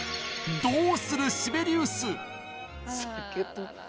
どうするシベリウス⁉